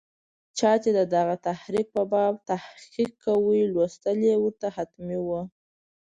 چا چې د دغه تحریک په باب تحقیق کاوه، لوستل یې ورته حتمي وو.